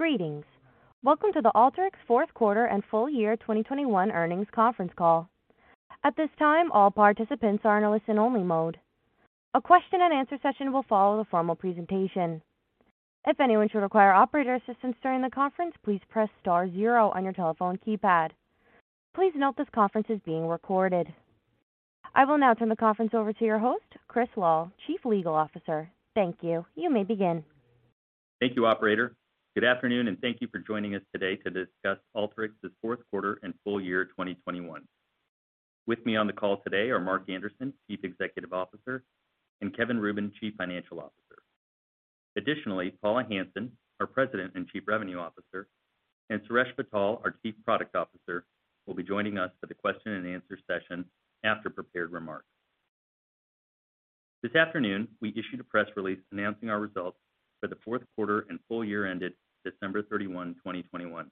Greetings. Welcome to the Alteryx Fourth Quarter and Full Year 2021 Earnings Conference Call. At this time, all participants are in a listen-only mode. A question and answer session will follow the formal presentation. If anyone should require operator assistance during the conference, please press star zero on your telephone keypad. Please note this conference is being recorded. I will now turn the conference over to your host, Chris Lal, Chief Legal Officer. Thank you. You may begin. Thank you, operator. Good afternoon, and thank you for joining us today to discuss Alteryx's fourth quarter and full year 2021. With me on the call today are Mark Anderson, Chief Executive Officer, and Kevin Rubin, Chief Financial Officer. Additionally, Paula Hansen, our President and Chief Revenue Officer, and Suresh Vittal, our Chief Product Officer, will be joining us for the question and answer session after prepared remarks. This afternoon, we issued a press release announcing our results for the fourth quarter and full year ended December 31, 2021.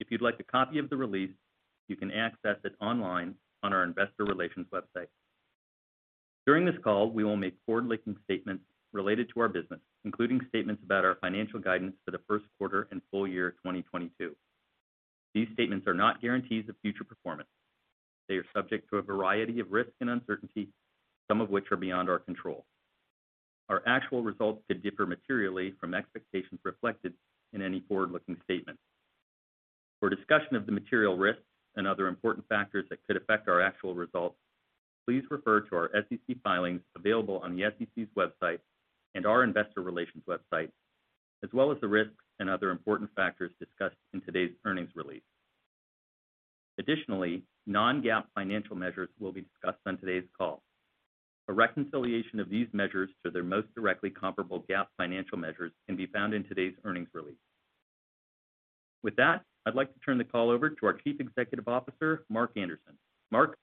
If you'd like a copy of the release, you can access it online on our investor relations website. During this call, we will make forward-looking statements related to our business, including statements about our financial guidance for the first quarter and full year 2022. These statements are not guarantees of future performance. They are subject to a variety of risks and uncertainties, some of which are beyond our control. Our actual results could differ materially from expectations reflected in any forward-looking statement. For discussion of the material risks and other important factors that could affect our actual results, please refer to our SEC filings available on the SEC's website and our investor relations website, as well as the risks and other important factors discussed in today's earnings release. Additionally, non-GAAP financial measures will be discussed on today's call. A reconciliation of these measures to their most directly comparable GAAP financial measures can be found in today's earnings release. With that, I'd like to turn the call over to our Chief Executive Officer, Mark Anderson. Mark.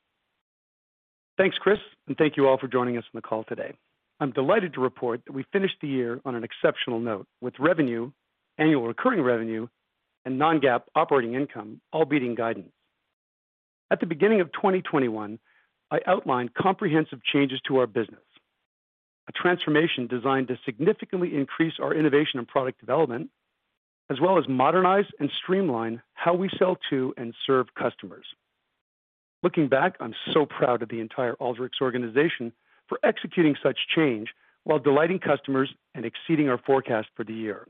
Thanks, Chris, and thank you all for joining us on the call today. I'm delighted to report that we finished the year on an exceptional note with revenue, annual recurring revenue, and non-GAAP operating income, all beating guidance. At the beginning of 2021, I outlined comprehensive changes to our business, a transformation designed to significantly increase our innovation and product development, as well as modernize and streamline how we sell to and serve customers. Looking back, I'm so proud of the entire Alteryx organization for executing such change while delighting customers and exceeding our forecast for the year.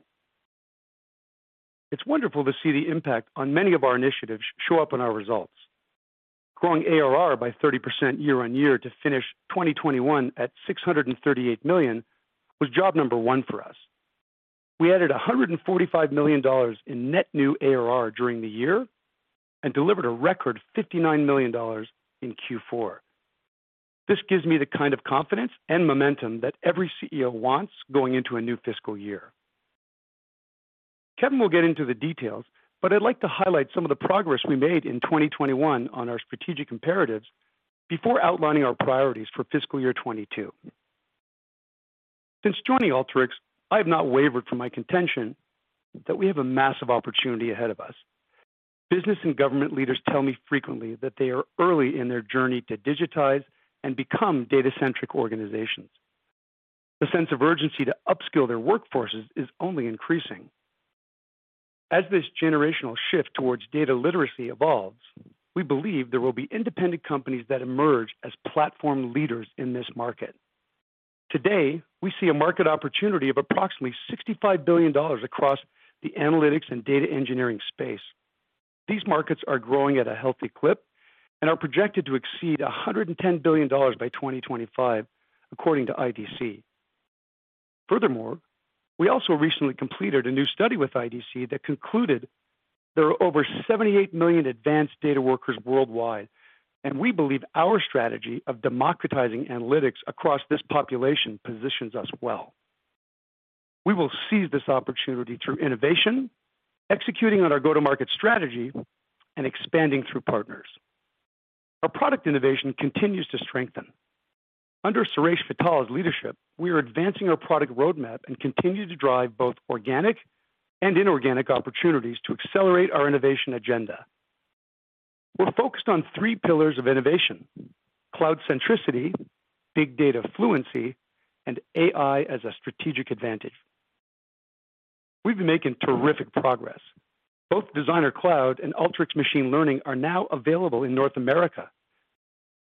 It's wonderful to see the impact on many of our initiatives show up in our results. Growing ARR by 30% year-over-year to finish 2021 at $638 million was job number one for us. We added $145 million in net new ARR during the year and delivered a record $59 million in Q4. This gives me the kind of confidence and momentum that every CEO wants going into a new fiscal year. Kevin will get into the details, but I'd like to highlight some of the progress we made in 2021 on our strategic imperatives before outlining our priorities for fiscal year 2022. Since joining Alteryx, I have not wavered from my contention that we have a massive opportunity ahead of us. Business and government leaders tell me frequently that they are early in their journey to digitize and become data-centric organizations. The sense of urgency to upskill their workforces is only increasing. As this generational shift towards data literacy evolves, we believe there will be independent companies that emerge as platform leaders in this market. Today, we see a market opportunity of approximately $65 billion across the analytics and data engineering space. These markets are growing at a healthy clip and are projected to exceed $110 billion by 2025, according to IDC. Furthermore, we also recently completed a new study with IDC that concluded there are over 78 million advanced data workers worldwide, and we believe our strategy of democratizing analytics across this population positions us well. We will seize this opportunity through innovation, executing on our go-to-market strategy, and expanding through partners. Our product innovation continues to strengthen. Under Suresh Vittal's leadership, we are advancing our product roadmap and continue to drive both organic and inorganic opportunities to accelerate our innovation agenda. We're focused on three pillars of innovation, cloud centricity, big data fluency, and AI as a strategic advantage. We've been making terrific progress. Both Designer Cloud and Alteryx Machine Learning are now available in North America.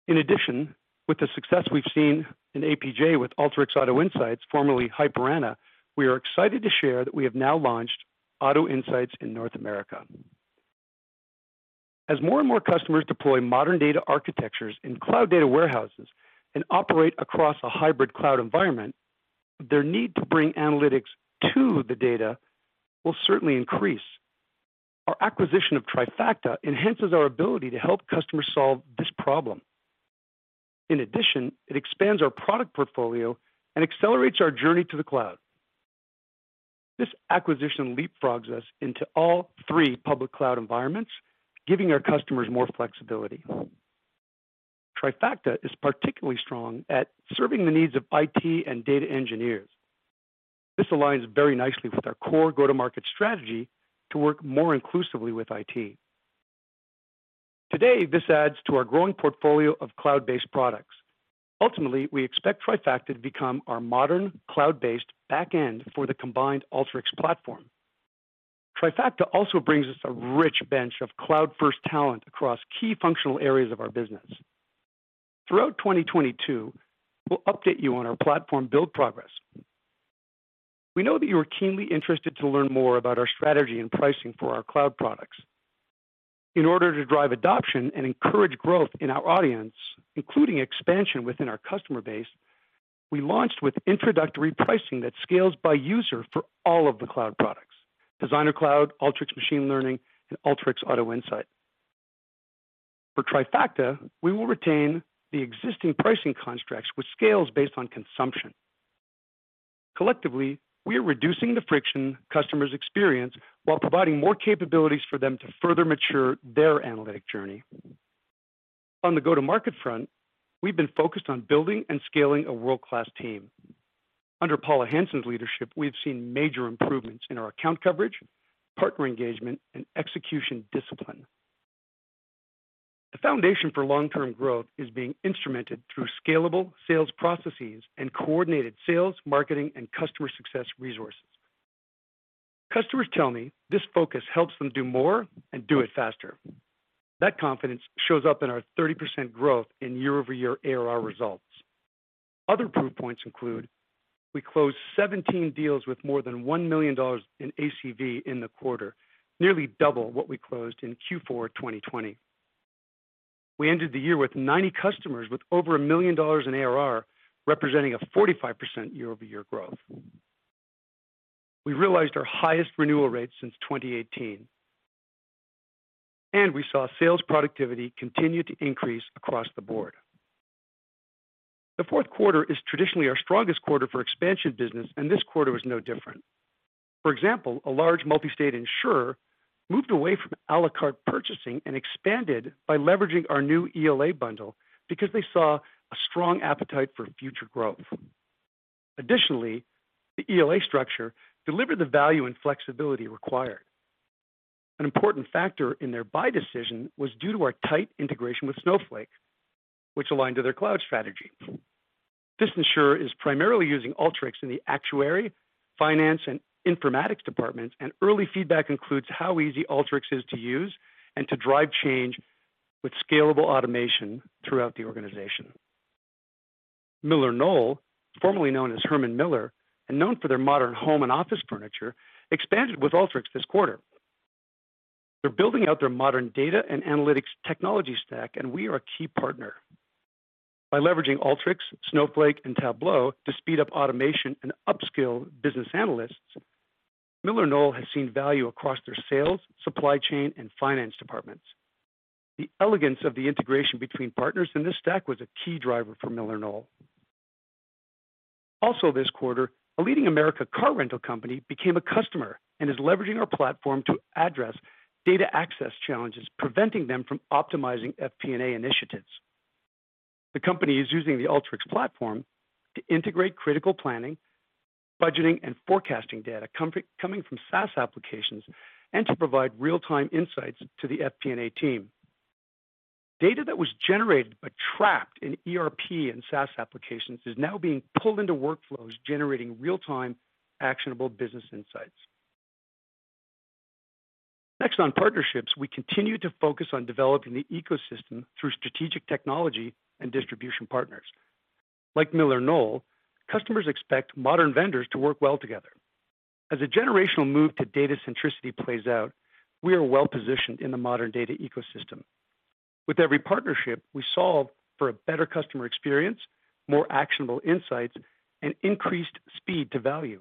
In addition, with the success we've seen in APJ with Alteryx Auto Insights, formerly Hyper Anna, we are excited to share that we have now launched Auto Insights in North America. As more and more customers deploy modern data architectures in cloud data warehouses and operate across a hybrid cloud environment, their need to bring analytics to the data will certainly increase. Our acquisition of Trifacta enhances our ability to help customers solve this problem. In addition, it expands our product portfolio and accelerates our journey to the cloud. This acquisition leapfrogs us into all three public cloud environments, giving our customers more flexibility. Trifacta is particularly strong at serving the needs of IT and data engineers. This aligns very nicely with our core go-to-market strategy to work more inclusively with IT. Today, this adds to our growing portfolio of cloud-based products. Ultimately, we expect Trifacta to become our modern cloud-based back-end for the combined Alteryx platform. Trifacta also brings us a rich bench of cloud-first talent across key functional areas of our business. Throughout 2022, we'll update you on our platform build progress. We know that you are keenly interested to learn more about our strategy and pricing for our cloud products. In order to drive adoption and encourage growth in our audience, including expansion within our customer base, we launched with introductory pricing that scales by user for all of the cloud products, Designer Cloud, Alteryx Machine Learning, and Alteryx Auto Insights. For Trifacta, we will retain the existing pricing constructs, which scales based on consumption. Collectively, we are reducing the friction customers experience while providing more capabilities for them to further mature their analytic journey. On the go-to-market front, we've been focused on building and scaling a world-class team. Under Paula Hansen's leadership, we have seen major improvements in our account coverage, partner engagement, and execution discipline. The foundation for long-term growth is being instrumented through scalable sales processes and coordinated sales, marketing, and customer success resources. Customers tell me this focus helps them do more and do it faster. That confidence shows up in our 30% growth in year-over-year ARR results. Other proof points include, we closed 17 deals with more than $1 million in ACV in the quarter, nearly double what we closed in Q4 2020. We ended the year with 90 customers with over $1 million in ARR, representing a 45% year-over-year growth. We realized our highest renewal rate since 2018. We saw sales productivity continue to increase across the board. The fourth quarter is traditionally our strongest quarter for expansion business, and this quarter was no different. For example, a large multi-state insurer moved away from à la carte purchasing and expanded by leveraging our new ELA bundle because they saw a strong appetite for future growth. Additionally, the ELA structure delivered the value and flexibility required. An important factor in their buy decision was due to our tight integration with Snowflake, which aligned to their cloud strategy. This insurer is primarily using Alteryx in the actuary, finance, and informatics departments, and early feedback includes how easy Alteryx is to use and to drive change with scalable automation throughout the organization. MillerKnoll, formerly known as Herman Miller, and known for their modern home and office furniture, expanded with Alteryx this quarter. They're building out their modern data and analytics technology stack, and we are a key partner. By leveraging Alteryx, Snowflake, and Tableau to speed up automation and upskill business analysts, MillerKnoll has seen value across their sales, supply chain, and finance departments. The elegance of the integration between partners in this stack was a key driver for MillerKnoll. Also this quarter, a leading American car rental company became a customer and is leveraging our platform to address data access challenges preventing them from optimizing FP&A initiatives. The company is using the Alteryx platform to integrate critical planning, budgeting, and forecasting data coming from SaaS applications and to provide real-time insights to the FP&A team. Data that was generated but trapped in ERP and SaaS applications is now being pulled into workflows, generating real-time actionable business insights. Next on partnerships, we continue to focus on developing the ecosystem through strategic technology and distribution partners. Like MillerKnoll, customers expect modern vendors to work well together. As a generational move to data centricity plays out, we are well-positioned in the modern data ecosystem. With every partnership, we solve for a better customer experience, more actionable insights, and increased speed to value.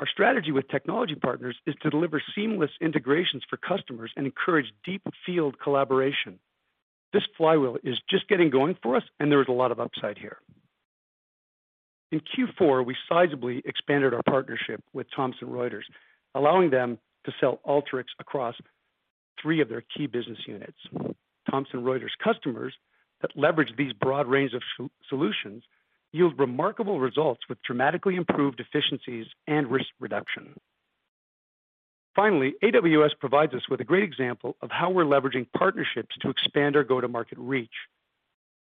Our strategy with technology partners is to deliver seamless integrations for customers and encourage deep field collaboration. This flywheel is just getting going for us and there is a lot of upside here. In Q4, we sizably expanded our partnership with Thomson Reuters, allowing them to sell Alteryx across three of their key business units. Thomson Reuters customers that leverage these broad range of solutions yield remarkable results with dramatically improved efficiencies and risk reduction. Finally, AWS provides us with a great example of how we're leveraging partnerships to expand our go-to-market reach.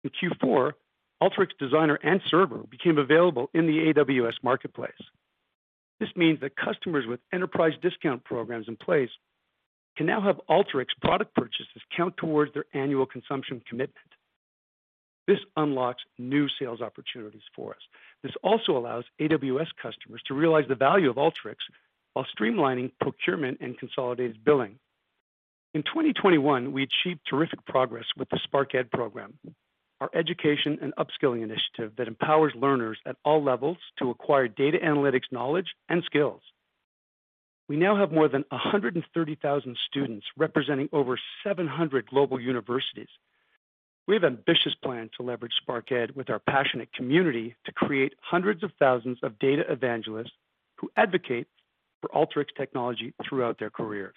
In Q4, Alteryx Designer and Server became available in the AWS marketplace. This means that customers with enterprise discount programs in place can now have Alteryx product purchases count towards their annual consumption commitment. This unlocks new sales opportunities for us. This also allows AWS customers to realize the value of Alteryx while streamlining procurement and consolidated billing. In 2021, we achieved terrific progress with the SparkED program, our education and upskilling initiative that empowers learners at all levels to acquire data analytics knowledge and skills. We now have more than 130,000 students representing over 700 global universities. We have an ambitious plan to leverage SparkED with our passionate community to create hundreds of thousands of data evangelists who advocate for Alteryx technology throughout their careers.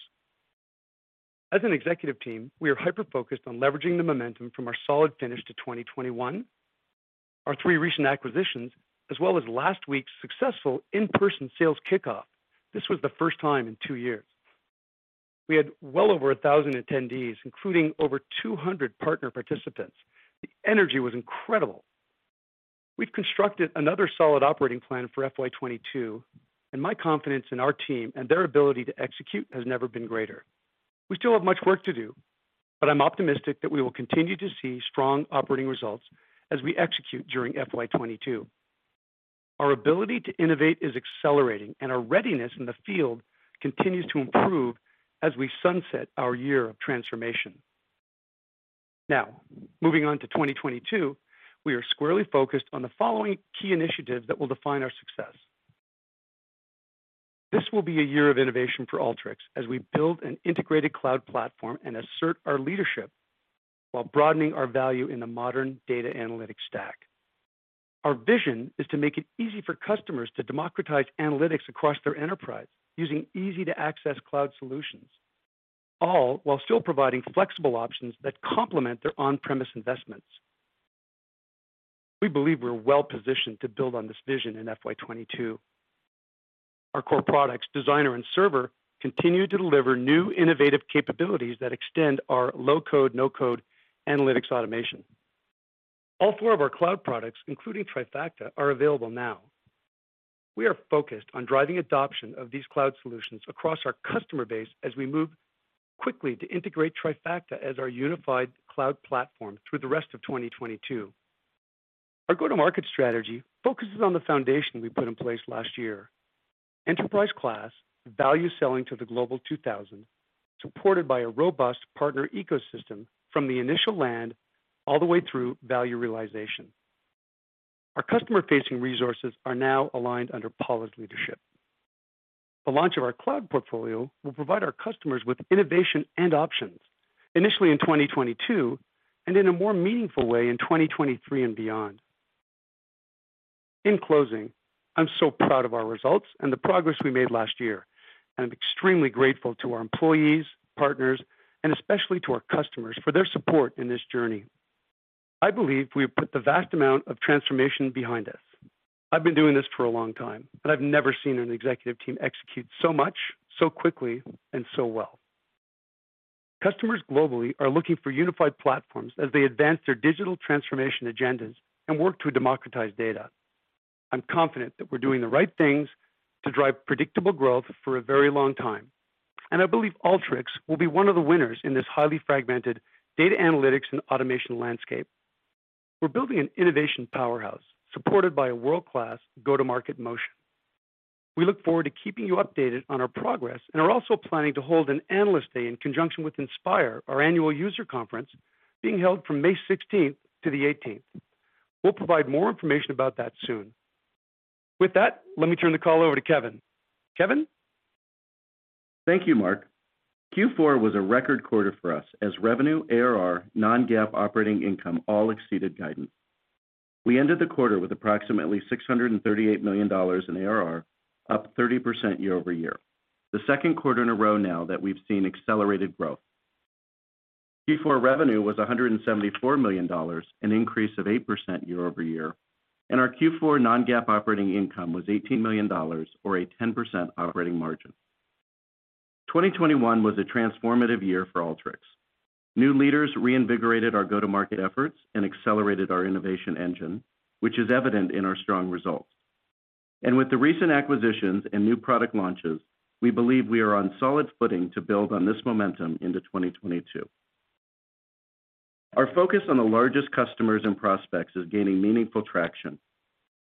As an executive team, we are hyper-focused on leveraging the momentum from our solid finish to 2021. Our three recent acquisitions, as well as last week's successful in-person Sales Kick-Off. This was the first time in two years. We had well over 1,000 attendees, including over 200 partner participants. The energy was incredible. We've constructed another solid operating plan for FY 2022, and my confidence in our team and their ability to execute has never been greater. We still have much work to do, but I'm optimistic that we will continue to see strong operating results as we execute during FY 2022. Our ability to innovate is accelerating, and our readiness in the field continues to improve as we sunset our year of transformation. Now, moving on to 2022, we are squarely focused on the following key initiatives that will define our success. This will be a year of innovation for Alteryx as we build an integrated cloud platform and assert our leadership while broadening our value in the modern data analytics stack. Our vision is to make it easy for customers to democratize analytics across their enterprise using easy-to-access cloud solutions, all while still providing flexible options that complement their on-premise investments. We believe we're well-positioned to build on this vision in FY 2022. Our core products, Designer and Server, continue to deliver new innovative capabilities that extend our low-code, no-code analytics automation. All four of our cloud products, including Trifacta, are available now. We are focused on driving adoption of these cloud solutions across our customer base as we move quickly to integrate Trifacta as our unified cloud platform through the rest of 2022. Our go-to-market strategy focuses on the foundation we put in place last year, enterprise class value selling to the Global 2000, supported by a robust partner ecosystem from the initial land all the way through value realization. Our customer-facing resources are now aligned under Paula's leadership. The launch of our cloud portfolio will provide our customers with innovation and options, initially in 2022, and in a more meaningful way in 2023 and beyond. In closing, I'm so proud of our results and the progress we made last year, and I'm extremely grateful to our employees, partners, and especially to our customers for their support in this journey. I believe we have put the vast amount of transformation behind us. I've been doing this for a long time, but I've never seen an executive team execute so much, so quickly, and so well. Customers globally are looking for unified platforms as they advance their digital transformation agendas and work to democratize data. I'm confident that we're doing the right things to drive predictable growth for a very long time, and I believe Alteryx will be one of the winners in this highly fragmented data analytics and automation landscape. We're building an innovation powerhouse supported by a world-class go-to-market motion. We look forward to keeping you updated on our progress, and are also planning to hold an analyst day in conjunction with Inspire, our annual user conference being held from May sixteenth to the eighteenth. We'll provide more information about that soon. With that, let me turn the call over to Kevin. Kevin? Thank you, Mark. Q4 was a record quarter for us as revenue, ARR, non-GAAP operating income all exceeded guidance. We ended the quarter with approximately $638 million in ARR, up 30% year-over-year. The second quarter in a row now that we've seen accelerated growth. Q4 revenue was $174 million, an increase of 8% year-over-year, and our Q4 non-GAAP operating income was $18 million or a 10% operating margin. 2021 was a transformative year for Alteryx. New leaders reinvigorated our go-to-market efforts and accelerated our innovation engine, which is evident in our strong results. With the recent acquisitions and new product launches, we believe we are on solid footing to build on this momentum into 2022. Our focus on the largest customers and prospects is gaining meaningful traction.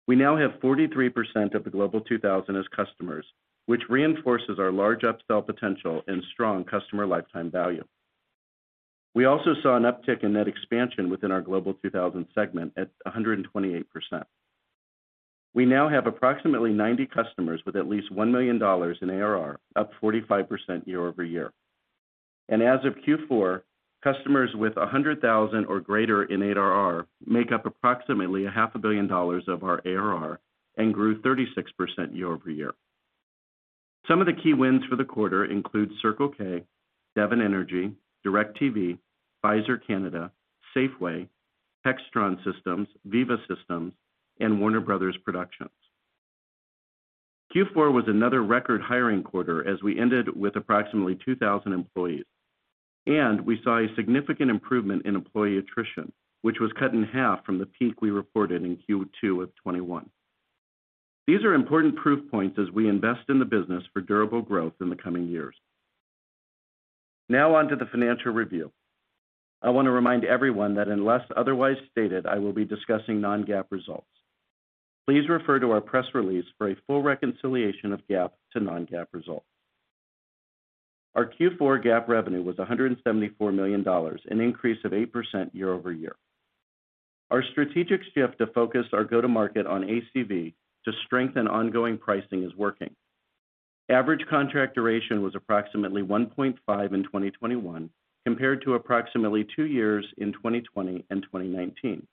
We now have 43% of the Global 2000 as customers, which reinforces our large upsell potential and strong customer lifetime value. We also saw an uptick in net expansion within our Global 2000 segment at 128%. We now have approximately 90 customers with at least $1 million in ARR, up 45% year-over-year. As of Q4, customers with $100,000 or greater in ARR make up approximately half a billion dollars of our ARR and grew 36% year-over-year. Some of the key wins for the quarter include Circle K, Devon Energy, DirecTV, Pfizer Canada, Safeway, Textron Systems, Veeva Systems, and Warner Bros Pictures. Q4 was another record hiring quarter as we ended with approximately 2,000 employees, and we saw a significant improvement in employee attrition, which was cut in half from the peak we reported in Q2 of 2021. These are important proof points as we invest in the business for durable growth in the coming years. Now on to the financial review. I want to remind everyone that unless otherwise stated, I will be discussing non-GAAP results. Please refer to our press release for a full reconciliation of GAAP to non-GAAP results. Our Q4 GAAP revenue was $174 million, an increase of 8% year-over-year. Our strategic shift to focus our go-to-market on ACV to strengthen ongoing pricing is working. Average contract duration was approximately 1.5 in 2021, compared to approximately two years in 2020 and 2019.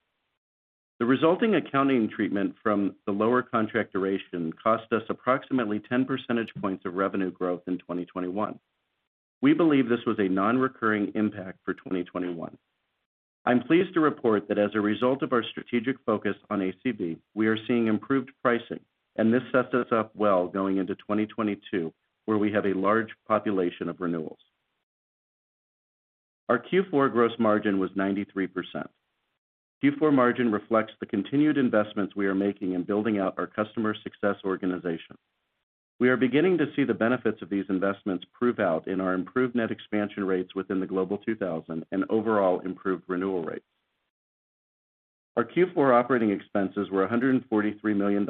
The resulting accounting treatment from the lower contract duration cost us approximately 10 percentage points of revenue growth in 2021. We believe this was a non-recurring impact for 2021. I'm pleased to report that as a result of our strategic focus on ACV, we are seeing improved pricing, and this sets us up well going into 2022, where we have a large population of renewals. Our Q4 gross margin was 93%. Q4 margin reflects the continued investments we are making in building out our customer success organization. We are beginning to see the benefits of these investments prove out in our improved net expansion rates within the Global 2000 and overall improved renewal rates. Our Q4 operating expenses were $143 million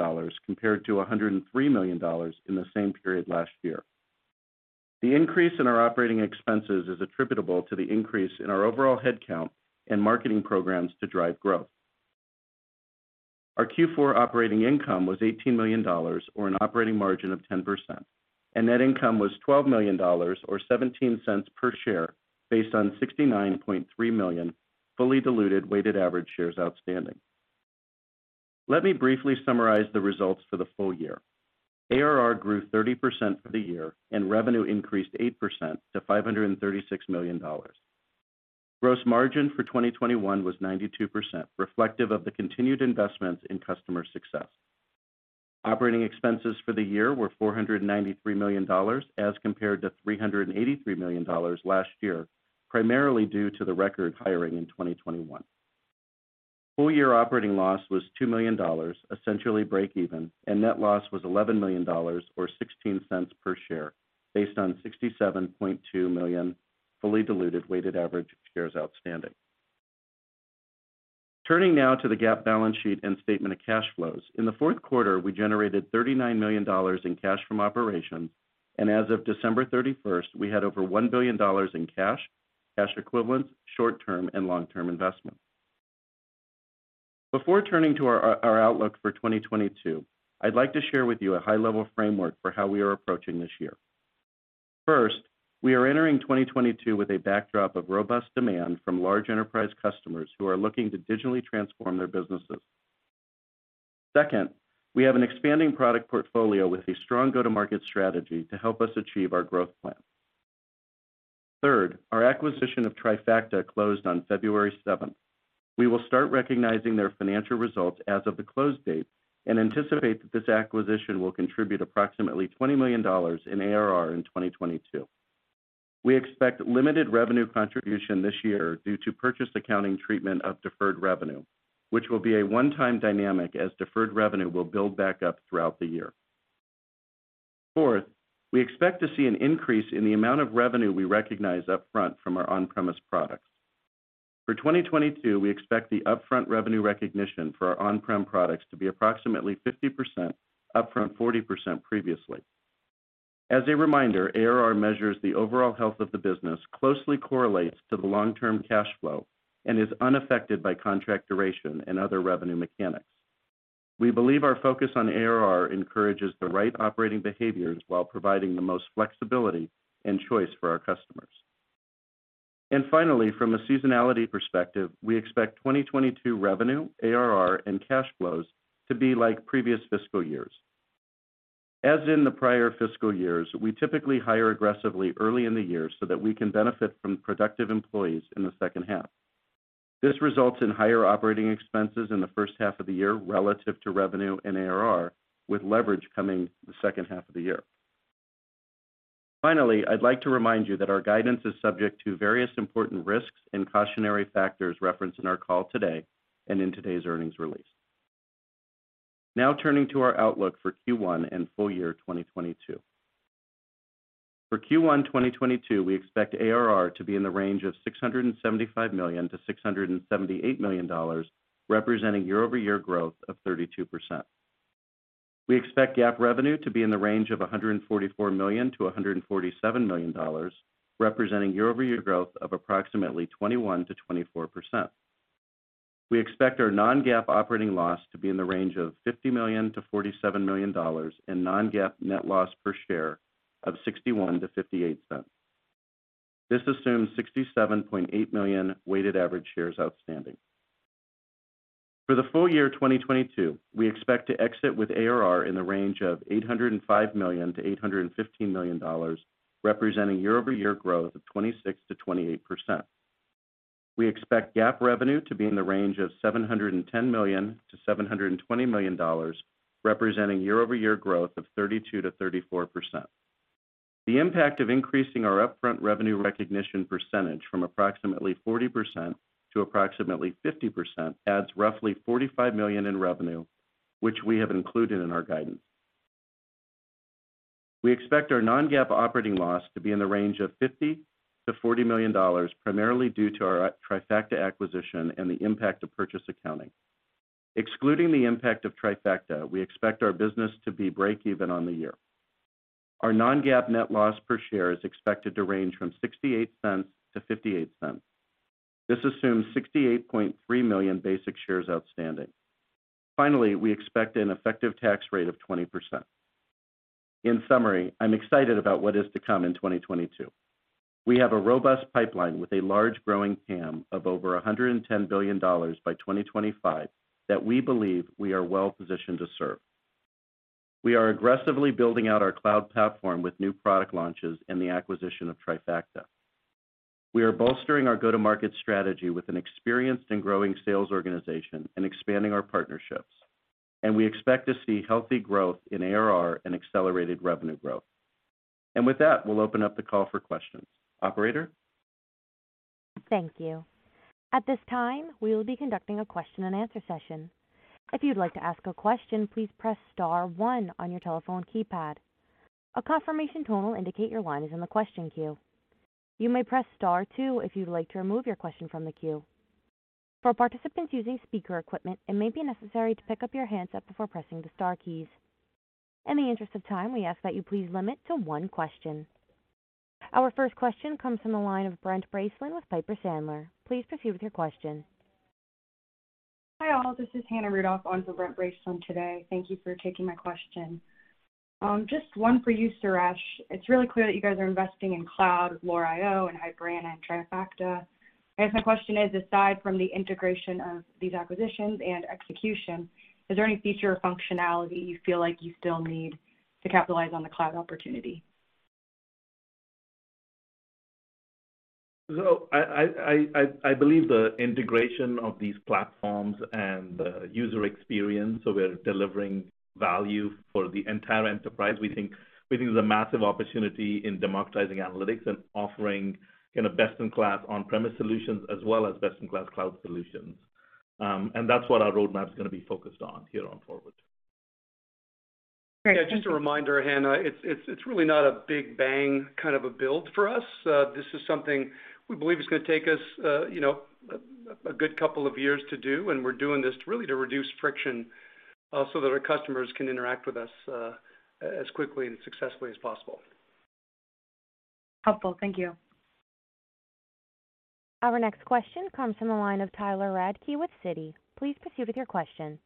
compared to $103 million in the same period last year. The increase in our operating expenses is attributable to the increase in our overall headcount and marketing programs to drive growth. Our Q4 operating income was $18 million or an operating margin of 10%, and net income was $12 million or $0.17 per share based on 69.3 million fully diluted weighted average shares outstanding. Let me briefly summarize the results for the full year. ARR grew 30% for the year, and revenue increased 8% to $536 million. Gross margin for 2021 was 92%, reflective of the continued investments in customer success. Operating expenses for the year were $493 million as compared to $383 million last year, primarily due to the record hiring in 2021. Full year operating loss was $2 million, essentially break even, and net loss was $11 million or $0.16 per share based on 67.2 million fully diluted weighted average shares outstanding. Turning now to the GAAP balance sheet and statement of cash flows. In the fourth quarter, we generated $39 million in cash from operations, and as of December 31st, we had over $1 billion in cash equivalents, short-term and long-term investments. Before turning to our outlook for 2022, I'd like to share with you a high-level framework for how we are approaching this year. First, we are entering 2022 with a backdrop of robust demand from large enterprise customers who are looking to digitally transform their businesses. Second, we have an expanding product portfolio with a strong go-to-market strategy to help us achieve our growth plan. Third, our acquisition of Trifacta closed on February seventh. We will start recognizing their financial results as of the close date and anticipate that this acquisition will contribute approximately $20 million in ARR in 2022. We expect limited revenue contribution this year due to purchase accounting treatment of deferred revenue, which will be a one-time dynamic as deferred revenue will build back up throughout the year. Fourth, we expect to see an increase in the amount of revenue we recognize upfront from our on-premise products. For 2022, we expect the upfront revenue recognition for our on-prem products to be approximately 50%, up from 40% previously. As a reminder, ARR measures the overall health of the business, closely correlates to the long-term cash flow, and is unaffected by contract duration and other revenue mechanics. We believe our focus on ARR encourages the right operating behaviors while providing the most flexibility and choice for our customers. Finally, from a seasonality perspective, we expect 2022 revenue, ARR, and cash flows to be like previous fiscal years. As in the prior fiscal years, we typically hire aggressively early in the year so that we can benefit from productive employees in the second half. This results in higher operating expenses in the first half of the year relative to revenue and ARR, with leverage coming the second half of the year. Finally, I'd like to remind you that our guidance is subject to various important risks and cautionary factors referenced in our call today and in today's earnings release. Now turning to our outlook for Q1 and full year 2022. For Q1 2022, we expect ARR to be in the range of $675 million-$678 million, representing year-over-year growth of 32%. We expect GAAP revenue to be in the range of $144 million-$147 million, representing year-over-year growth of approximately 21%-24%. We expect our non-GAAP operating loss to be in the range of $50 million-$47 million and non-GAAP net loss per share of $0.61-$0.58. This assumes 67.8 million weighted average shares outstanding. For the full year 2022, we expect to exit with ARR in the range of $805 million-$815 million, representing year-over-year growth of 26%-28%. We expect GAAP revenue to be in the range of $710 million-$720 million, representing year-over-year growth of 32%-34%. The impact of increasing our upfront revenue recognition percentage from approximately 40% to approximately 50% adds roughly $45 million in revenue, which we have included in our guidance. We expect our non-GAAP operating loss to be in the range of $50 million-$40 million, primarily due to our Trifacta acquisition and the impact of purchase accounting. Excluding the impact of Trifacta, we expect our business to be break even on the year. Our non-GAAP net loss per share is expected to range from $0.68 to $0.58. This assumes 68.3 million basic shares outstanding. Finally, we expect an effective tax rate of 20%. In summary, I'm excited about what is to come in 2022. We have a robust pipeline with a large growing TAM of over $110 billion by 2025 that we believe we are well-positioned to serve. We are aggressively building out our cloud platform with new product launches and the acquisition of Trifacta. We are bolstering our go-to-market strategy with an experienced and growing sales organization and expanding our partnerships. We expect to see healthy growth in ARR and accelerated revenue growth. With that, we'll open up the call for questions. Operator? Thank you. At this time, we will be conducting a question-and-answer session. If you'd like to ask a question, please press star one on your telephone keypad. A confirmation tone will indicate your line is in the question queue. You may press star two if you'd like to remove your question from the queue. For participants using speaker equipment, it may be necessary to pick up your handset before pressing the star keys. In the interest of time, we ask that you please limit to one question. Our first question comes from the line of Brent Bracelin with Piper Sandler. Please proceed with your question. Hi, all. This is Hannah Rudoff and Brent Bracelin today. Thank you for taking my question. Just one for you, Suresh. It's really clear that you guys are investing in cloud with Lore IO and Hyper Anna and Trifacta. I guess my question is, aside from the integration of these acquisitions and execution, is there any feature or functionality you feel like you still need to capitalize on the cloud opportunity? I believe the integration of these platforms and the user experience, so we're delivering value for the entire enterprise. We think there's a massive opportunity in democratizing analytics and offering, you know, best-in-class on-premise solutions as well as best-in-class cloud solutions. That's what our roadmap's gonna be focused on here on forward. Yeah, just a reminder, Hannah, it's really not a big bang kind of a build for us. This is something we believe is gonna take us, you know, a good couple of years to do, and we're doing this really to reduce friction, so that our customers can interact with us, as quickly and successfully as possible. Helpful. Thank you. Our next question comes from the line of Tyler Radke with Citi. Please proceed with your question.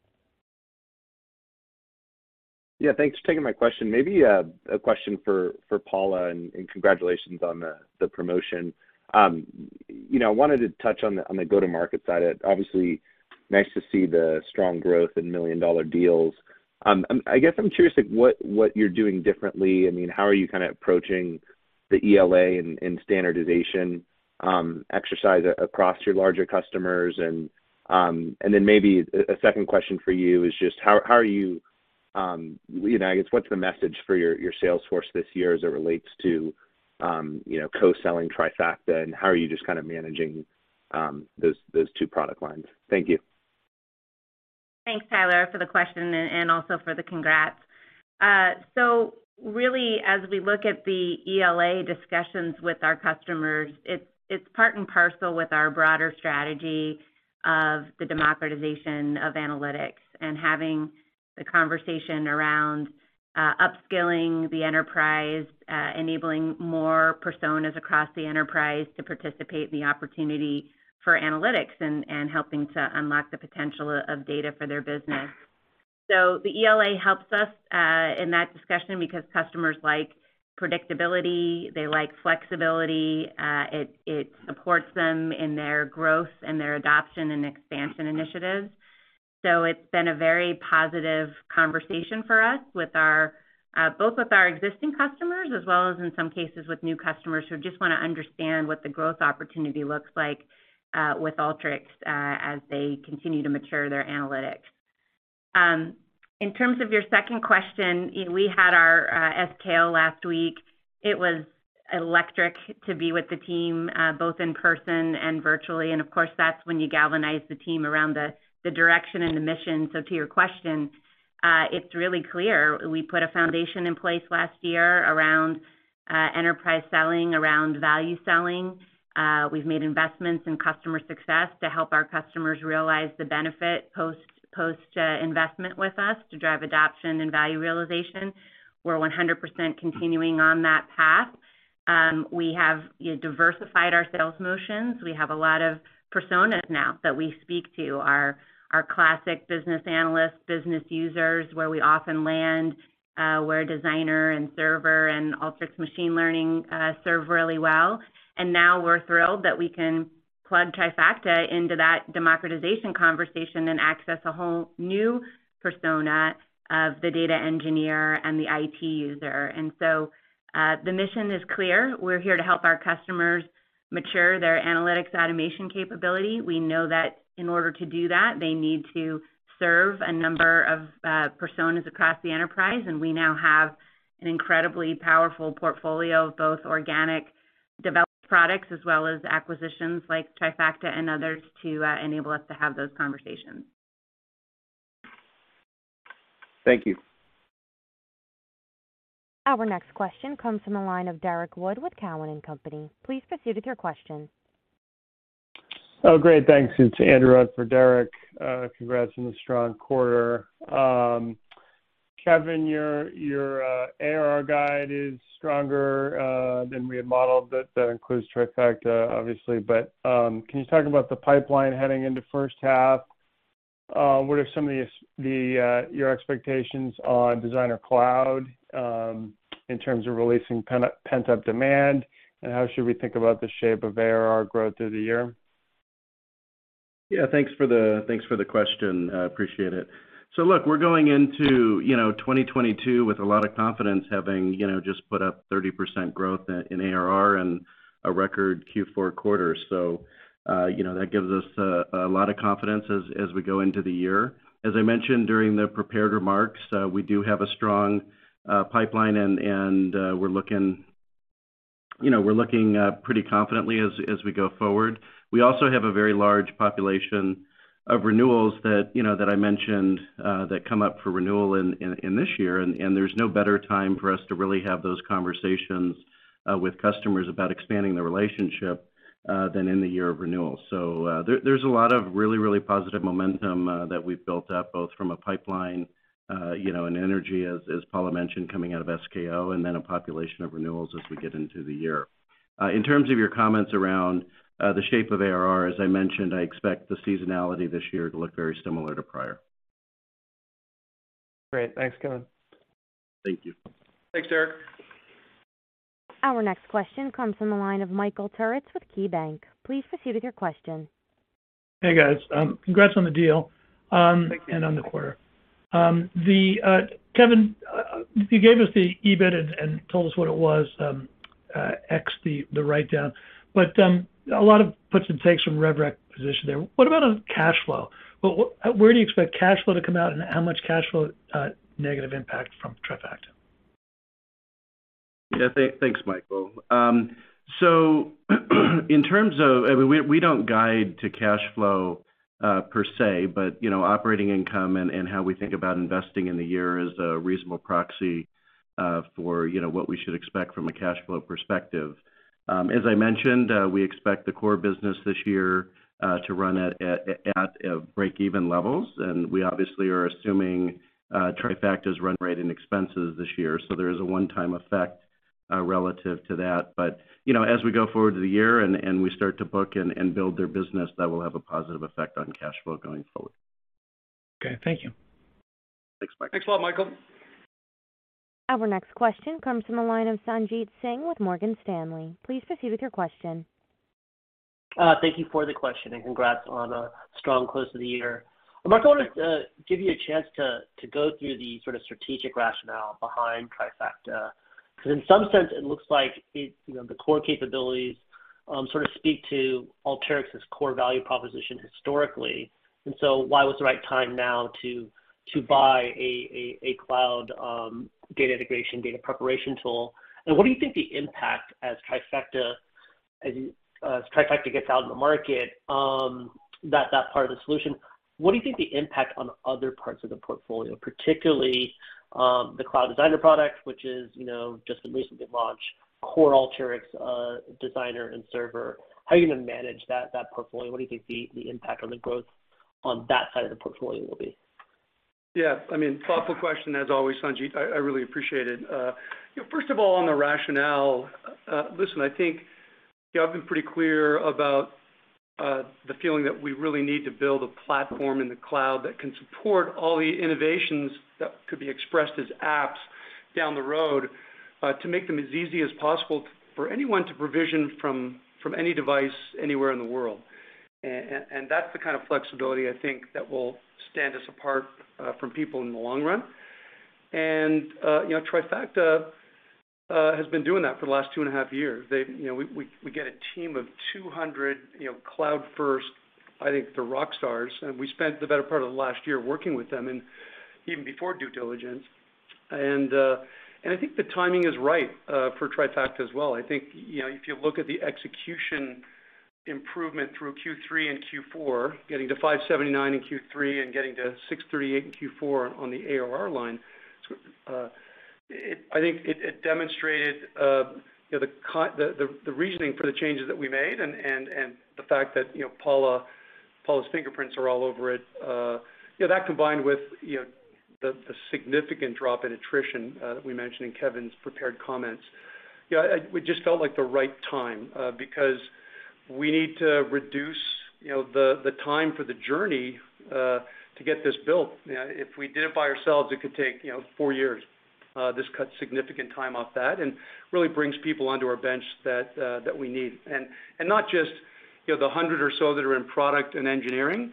Yeah, thanks for taking my question. Maybe a question for Paula, and congratulations on the promotion. You know, I wanted to touch on the go-to-market side. Obviously, nice to see the strong growth in million-dollar deals. I guess I'm curious, like, what you're doing differently. I mean, how are you kind of approaching the ELA and standardization exercise across your larger customers? Maybe a second question for you is just how you know, I guess, what's the message for your sales force this year as it relates to you know, co-selling Trifacta, and how are you just kind of managing those two product lines? Thank you. Thanks, Tyler, for the question and also for the congrats. Really, as we look at the ELA discussions with our customers, it's part and parcel with our broader strategy of the democratization of analytics and having the conversation around upskilling the enterprise, enabling more personas across the enterprise to participate in the opportunity for analytics and helping to unlock the potential of data for their business. The ELA helps us in that discussion because customers like predictability. They like flexibility. It supports them in their growth and their adoption and expansion initiatives. It's been a very positive conversation for us with our both with our existing customers as well as in some cases with new customers who just wanna understand what the growth opportunity looks like with Alteryx as they continue to mature their analytics. In terms of your second question, we had our SKO last week. It was electric to be with the team both in person and virtually. Of course, that's when you galvanize the team around the direction and the mission. To your question, it's really clear we put a foundation in place last year around enterprise selling, around value selling. We've made investments in customer success to help our customers realize the benefit post investment with us to drive adoption and value realization. We're 100% continuing on that path. We have diversified our sales motions. We have a lot of personas now that we speak to, our classic business analysts, business users, where we often land, where Designer and Server and Alteryx Machine Learning serve really well. Now we're thrilled that we can plug Trifacta into that democratization conversation and access a whole new persona of the data engineer and the IT user. The mission is clear. We're here to help our customers mature their analytics automation capability. We know that in order to do that, they need to serve a number of personas across the enterprise, and we now have an incredibly powerful portfolio of both organic developed products as well as acquisitions like Trifacta and others to enable us to have those conversations. Thank you. Our next question comes from the line of Derrick Wood with Cowen and Company. Please proceed with your question. Oh, great. Thanks. It's Andrew for Derrick. Congrats on the strong quarter. Kevin, your ARR guide is stronger than we had modeled. That includes Trifacta, obviously. Can you talk about the pipeline heading into first half? What are some of your expectations on Designer Cloud in terms of releasing pent-up demand? And how should we think about the shape of ARR growth through the year? Yeah, thanks for the question. I appreciate it. Look, we're going into 2022 with a lot of confidence, having you know just put up 30% growth in ARR and a record Q4 quarter. That gives us a lot of confidence as we go into the year. As I mentioned during the prepared remarks, we do have a strong pipeline, and we're looking you know pretty confidently as we go forward. We also have a very large population of renewals that you know I mentioned that come up for renewal in this year, and there's no better time for us to really have those conversations with customers about expanding the relationship than in the year of renewal. There's a lot of really positive momentum that we've built up, both from a pipeline, you know, and energy, as Paula mentioned, coming out of SKO and then a population of renewals as we get into the year. In terms of your comments around the shape of ARR, as I mentioned, I expect the seasonality this year to look very similar to prior. Great. Thanks, Kevin. Thank you. Thanks, Derrick. Our next question comes from the line of Michael Turits with KeyBanc. Please proceed with your question. Hey, guys. Congrats on the deal. Thank you. on the quarter. Kevin, you gave us the EBIT and told us what it was ex the writedown. A lot of puts and takes from rev rec position there. What about on cash flow? Where do you expect cash flow to come out, and how much cash flow negative impact from Trifacta? Yeah. Thanks, Michael. In terms of, I mean, we don't guide to cash flow per se, but you know, operating income and how we think about investing in the year is a reasonable proxy for you know, what we should expect from a cash flow perspective. As I mentioned, we expect the core business this year to run at break-even levels, and we obviously are assuming Trifacta's run rate and expenses this year. There is a one-time effect relative to that. You know, as we go forward through the year and we start to book and build their business, that will have a positive effect on cash flow going forward. Okay. Thank you. Thanks, Michael. Thanks a lot, Michael. Our next question comes from the line of Sanjit Singh with Morgan Stanley. Please proceed with your question. Thank you for the question, and congrats on a strong close to the year. Mark, I wanted to give you a chance to go through the sort of strategic rationale behind Trifacta, 'cause in some sense, it looks like it's, you know, the core capabilities sort of speak to Alteryx's core value proposition historically. Why was the right time now to buy a cloud data integration, data preparation tool? What do you think the impact as Trifacta gets out in the market, that part of the solution, what do you think the impact on other parts of the portfolio, particularly the Designer Cloud product, which is, you know, just a recently launched core Alteryx Designer and Server, how are you gonna manage that portfolio? What do you think the impact on the growth on that side of the portfolio will be? Yeah. I mean, thoughtful question as always, Sanjit. I really appreciate it. You know, first of all, on the rationale, listen, I think, you know, I've been pretty clear about the feeling that we really need to build a platform in the cloud that can support all the innovations that could be expressed as apps down the road to make them as easy as possible for anyone to provision from any device anywhere in the world. And that's the kind of flexibility I think that will stand us apart from people in the long run. You know, Trifacta has been doing that for the last 2.5 years. They. You know, we get a team of 200, you know, cloud-first, I think, they're rock stars, and we spent the better part of the last year working with them and even before due diligence. I think the timing is right for Trifacta as well. I think, you know, if you look at the execution improvement through Q3 and Q4, getting to $579 million in Q3 and getting to $638 million in Q4 on the ARR line, it demonstrated, you know, the reasoning for the changes that we made and the fact that, you know, Paula's fingerprints are all over it. You know, that combined with the significant drop in attrition that we mentioned in Kevin's prepared comments. You know, we just felt like the right time because we need to reduce, you know, the time for the journey to get this built. You know, if we did it by ourselves, it could take, you know, four years. This cuts significant time off that and really brings people onto our bench that we need. Not just, you know, the 100 or so that are in product and engineering.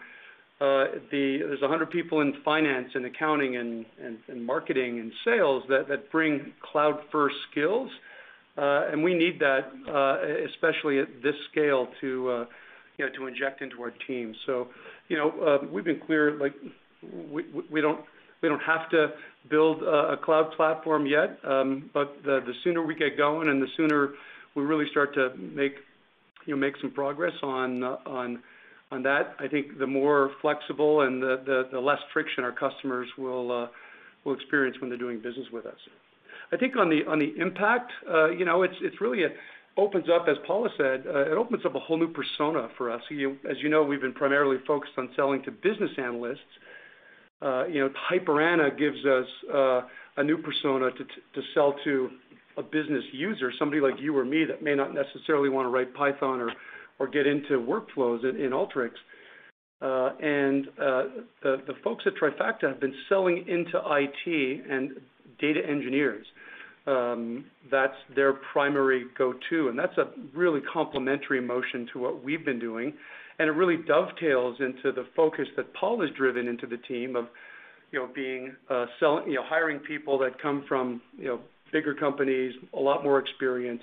There's 100 people in finance and accounting and marketing and sales that bring cloud-first skills, and we need that, especially at this scale to, you know, to inject into our team. You know, we've been clear, like we don't have to build a cloud platform yet. The sooner we get going and the sooner we really start to make some progress on that, I think the more flexible and the less friction our customers will experience when they're doing business with us. I think on the impact, you know, it's really. It opens up, as Paula said, it opens up a whole new persona for us. You know, as you know, we've been primarily focused on selling to business analysts. You know, Hyper Anna gives us a new persona to sell to a business user, somebody like you or me that may not necessarily wanna write Python or get into workflows in Alteryx. The folks at Trifacta have been selling into IT and data engineers. That's their primary go-to, and that's a really complementary motion to what we've been doing. It really dovetails into the focus that Paula's driven into the team of, you know, being, you know, hiring people that come from, you know, bigger companies, a lot more experience,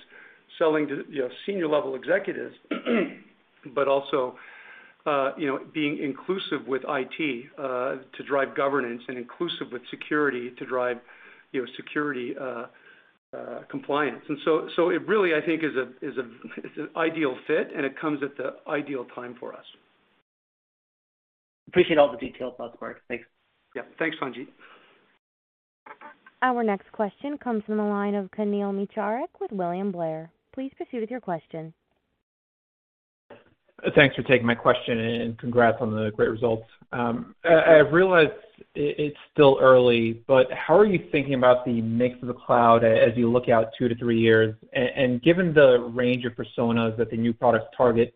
selling to, you know, senior level executives. Also, you know, being inclusive with IT, to drive governance and inclusive with security to drive, you know, security, compliance. It really, I think, is an ideal fit, and it comes at the ideal time for us. Appreciate all the details about the part. Thanks. Yeah. Thanks, Sanjit. Our next question comes from the line of Kamil Mielczarek with William Blair. Please proceed with your question. Thanks for taking my question and congrats on the great results. I realize it's still early, but how are you thinking about the mix of the cloud as you look out two to three years? Given the range of personas that the new products target,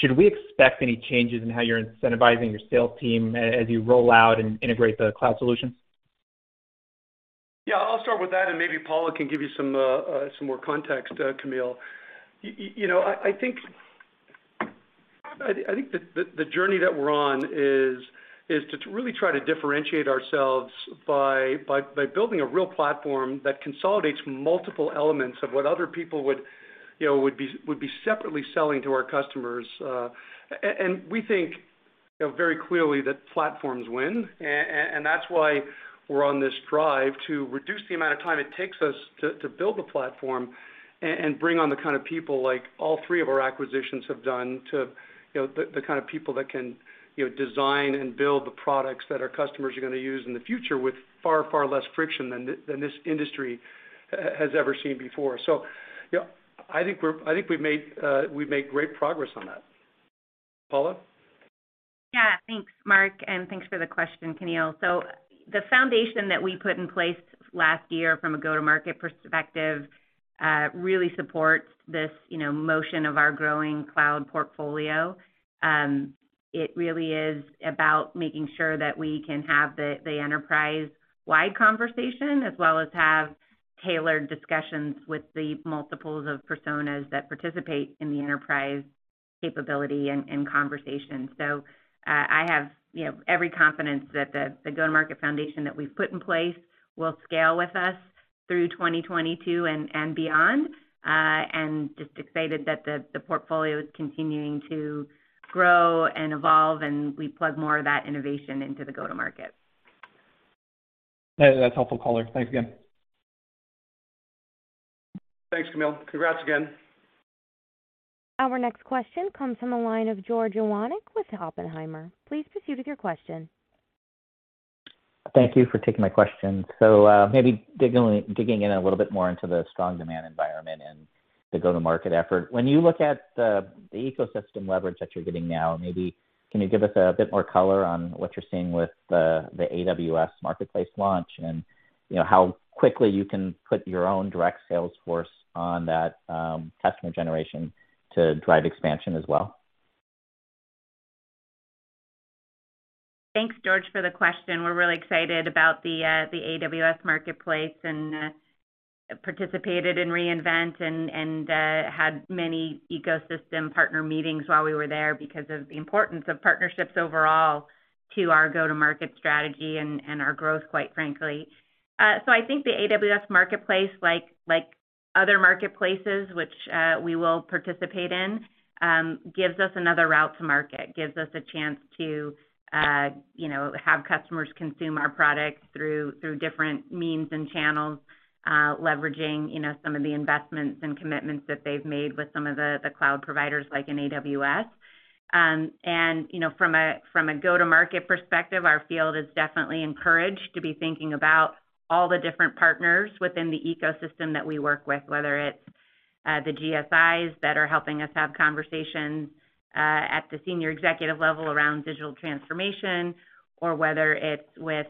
should we expect any changes in how you're incentivizing your sales team as you roll out and integrate the cloud solution? Yeah, I'll start with that, and maybe Paula can give you some more context, Kamil. You know, I think that the journey that we're on is to really try to differentiate ourselves by building a real platform that consolidates multiple elements of what other people would, you know, would be separately selling to our customers. We think, you know, very clearly that platforms win. That's why we're on this drive to reduce the amount of time it takes us to build the platform and bring on the kind of people like all three of our acquisitions have done to you know the kind of people that can you know design and build the products that our customers are gonna use in the future with far less friction than this industry has ever seen before. You know, I think we've made great progress on that. Paula? Yeah. Thanks, Mark, and thanks for the question, Kamil. The foundation that we put in place last year from a go-to-market perspective really supports this, you know, motion of our growing cloud portfolio. It really is about making sure that we can have the enterprise-wide conversation as well as have tailored discussions with the multiple personas that participate in the enterprise capability and conversation. I have, you know, every confidence that the go-to-market foundation that we've put in place will scale with us through 2022 and beyond. Just excited that the portfolio is continuing to grow and evolve, and we plug more of that innovation into the go-to-market. That's helpful color. Thanks again. Thanks, Kamil. Congrats again. Our next question comes from the line of George Iwanyc with Oppenheimer. Please proceed with your question. Thank you for taking my question. Maybe digging in a little bit more into the strong demand environment and the go-to-market effort. When you look at the ecosystem leverage that you're getting now, maybe can you give us a bit more color on what you're seeing with the AWS marketplace launch and, you know, how quickly you can put your own direct sales force on that customer generation to drive expansion as well? Thanks, George, for the question. We're really excited about the AWS marketplace and participated in re:Invent and had many ecosystem partner meetings while we were there because of the importance of partnerships overall to our go-to-market strategy and our growth, quite frankly. I think the AWS marketplace, like other marketplaces which we will participate in, gives us another route to market, gives us a chance to you know have customers consume our products through different means and channels, leveraging you know some of the investments and commitments that they've made with some of the cloud providers like in AWS. From a go-to-market perspective, our field is definitely encouraged to be thinking about all the different partners within the ecosystem that we work with, whether it's the GSIs that are helping us have conversations at the senior executive level around digital transformation or whether it's with,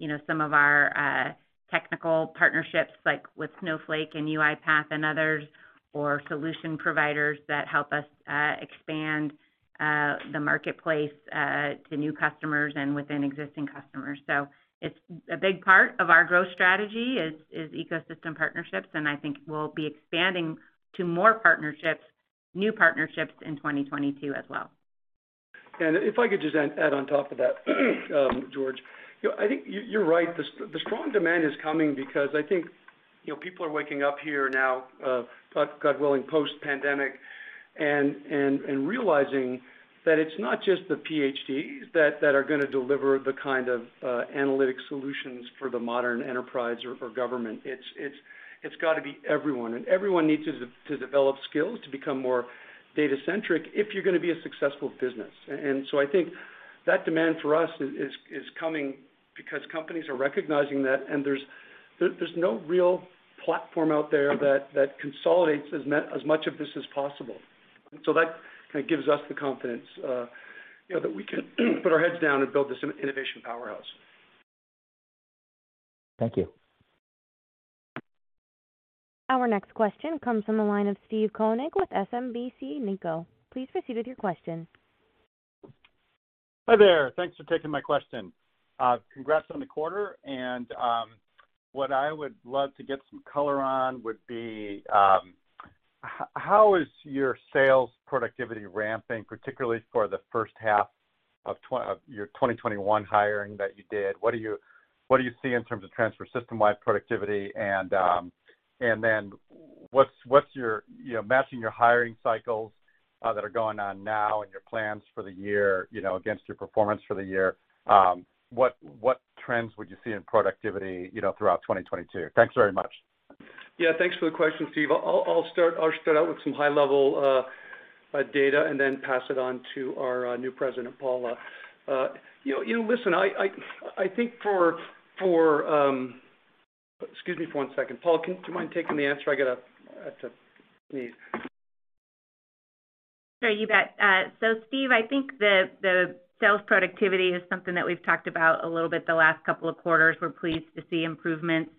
you know, some of our technical partnerships like with Snowflake and UiPath and others or solution providers that help us expand the marketplace to new customers and within existing customers. It's a big part of our growth strategy is ecosystem partnerships, and I think we'll be expanding to more partnerships, new partnerships in 2022 as well. If I could just add on top of that, George. You know, I think you're right. The strong demand is coming because I think, you know, people are waking up here now, God willing, post-pandemic, and realizing that it's not just the PhDs that are gonna deliver the kind of analytic solutions for the modern enterprise or government. It's got to be everyone. Everyone needs to develop skills to become more data-centric if you're gonna be a successful business. I think that demand for us is coming because companies are recognizing that, and there's no real platform out there that consolidates as much of this as possible. That kind of gives us the confidence, you know, that we can put our heads down and build this innovation powerhouse. Thank you. Our next question comes from the line of Steve Koenig with SMBC Nikko. Please proceed with your question. Hi there. Thanks for taking my question. Congrats on the quarter. What I would love to get some color on would be how is your sales productivity ramping, particularly for the first half of your 2021 hiring that you did? What do you see in terms of overall system-wide productivity? What's your, you know, matching your hiring cycles that are going on now and your plans for the year, you know, against your performance for the year, what trends would you see in productivity, you know, throughout 2022? Thanks very much. Yeah. Thanks for the question, Steve. I'll start out with some high level data and then pass it on to our new President, Paula. Excuse me for one second. Paula, do you mind taking the answer? I have to sneeze. Sure, you bet. Steve, I think the sales productivity is something that we've talked about a little bit the last couple of quarters. We're pleased to see improvements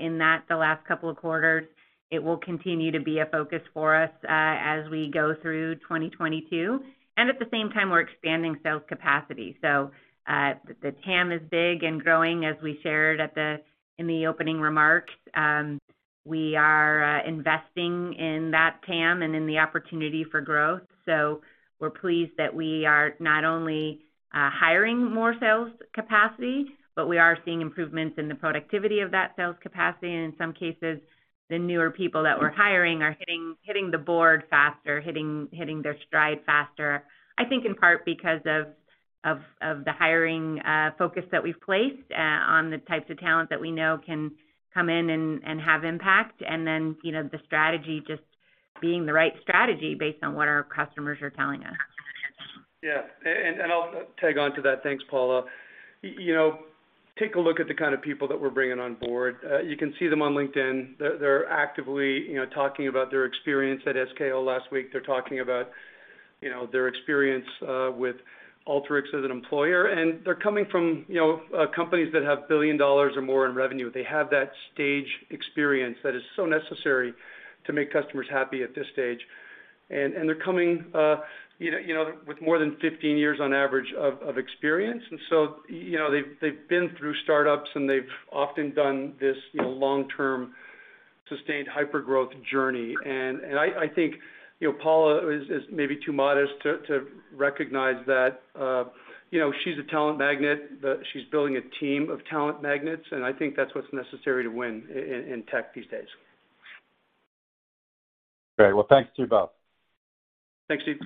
in that the last couple of quarters. It will continue to be a focus for us as we go through 2022, and at the same time, we're expanding sales capacity. The TAM is big and growing as we shared in the opening remarks. We are investing in that TAM and in the opportunity for growth. We're pleased that we are not only hiring more sales capacity, but we are seeing improvements in the productivity of that sales capacity, and in some cases, the newer people that we're hiring are hitting the board faster, hitting their stride faster. I think in part because of the hiring focus that we've placed on the types of talent that we know can come in and have impact. You know, the strategy just being the right strategy based on what our customers are telling us. Yeah, I'll tag onto that. Thanks, Paula. You know, take a look at the kind of people that we're bringing on board. You can see them on LinkedIn. They're actively, you know, talking about their experience at SKO last week. They're talking about, you know, their experience with Alteryx as an employer. They're coming from, you know, companies that have $1 billion or more in revenue. They have that stage experience that is so necessary to make customers happy at this stage. They're coming, you know, with more than 15 years on average of experience. You know, they've been through startups, and they've often done this, you know, long-term sustained hypergrowth journey. I think, you know, Paula is maybe too modest to recognize that, you know, she's a talent magnet, that she's building a team of talent magnets, and I think that's what's necessary to win in tech these days. Great. Well, thanks to you both. Thanks, Steve.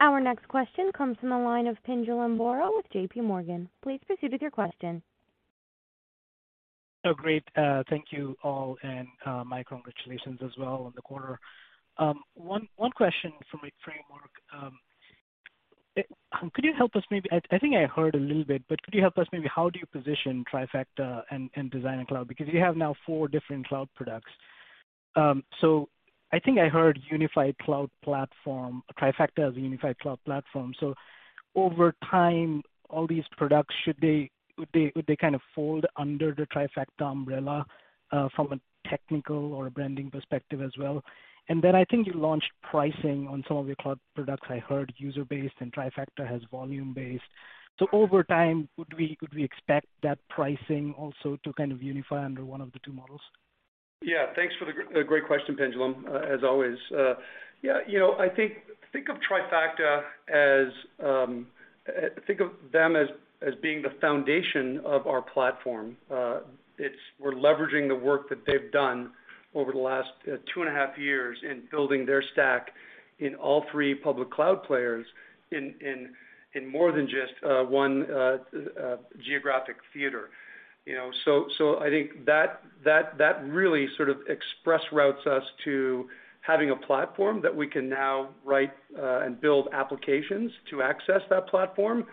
Our next question comes from the line of Pinjalim Bora with JPMorgan. Please proceed with your question. Oh, great. Thank you all, and Mark, congratulations as well on the quarter. One question for Mark, framework. I think I heard a little bit, but could you help us maybe how do you position Trifacta and Designer Cloud? Because you have now four different cloud products. I think I heard unified cloud platform, Trifacta as a unified cloud platform. Over time, all these products, would they kind of fold under the Trifacta umbrella from a technical or a branding perspective as well? Then I think you launched pricing on some of your cloud products. I heard user-based and Trifacta has volume-based. Over time, could we expect that pricing also to kind of unify under one of the two models? Thanks for the great question, Pinjalim, as always. Yeah, you know, I think of Trifacta as being the foundation of our platform. We're leveraging the work that they've done over the last 2.5 years in building their stack in all three public cloud players in more than just one geographic theater. You know, I think that really sort of express routes us to having a platform that we can now write and build applications to access that platform